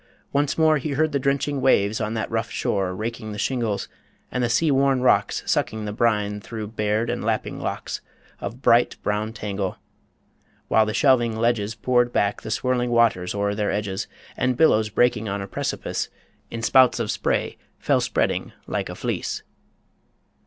Once more He heard the drenching waves on that rough shore Raking the shingles, and the sea worn rocks Sucking the brine through bared and lapping locks Of bright, brown tangle; while the shelving ledges Poured back the swirling waters o'er their edges; And billows breaking on a precipice In spouts of spray, fell spreading like a fleece.